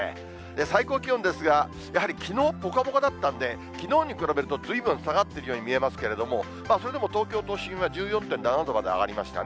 最高気温ですが、やはりきのうぽかぽかだったんで、きのうに比べると、ずいぶん下がってるように見えますけれども、それでも東京都心は１４．７度まで上がりましたね。